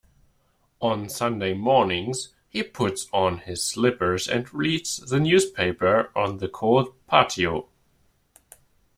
On Sunday mornings, he puts on his slippers and reads the newspaper on the cold patio.